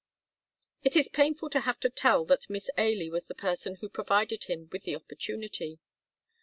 It is painful to have to tell that Miss Ailie was the person who provided him with the opportunity.